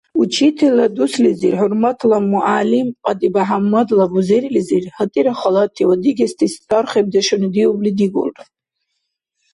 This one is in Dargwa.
Учителла Дуслизир хӀурматла мугӀяллим КьадибяхӀяммадла бузерилизир гьатӀира халати ва дигести сархибдешуни диубли дигулра.